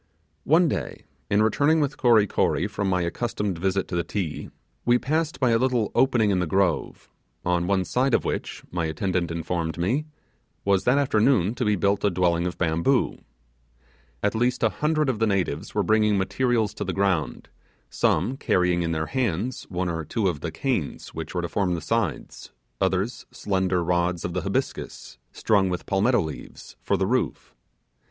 One day, in returning with Kory Kory from my accustomed visit to the Ti, we passed by a little opening in the grove; on one side of which, my attendant informed me, was that afternoon to be built a dwelling of bamboo. At least a hundred of the natives were bringing materials to the ground, some carrying in their hands one or two of the canes which were to form the sides, others slender rods of the habiscus, strung with palmetto leaves, for the roof.